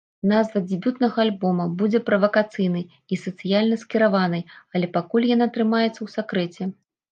Назва дэбютнага альбома будзе правакацыйнай і сацыяльна скіраванай, але пакуль яна трымаецца ў сакрэце.